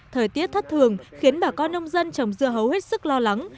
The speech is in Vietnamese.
thời tiết thất thường khiến bà con nông dân trồng dưa hấu hết sức lo lắng